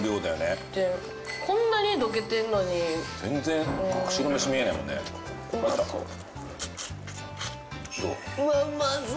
いやだってこんなにどけてんのに全然白飯見えないもんねうわ